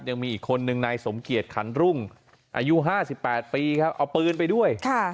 ยังมีอีกคนนึงนายสมเกียจขันรุ่งอายุ๕๘ปีครับเอาปืนไปด้วย